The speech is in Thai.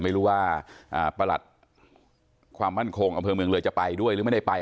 ไม่รู้ว่าปรรถความมั่นคงอำเภอเมืองเลยจะไปด้วย